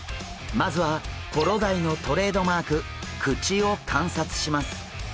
まずはコロダイのトレードマーク口を観察します。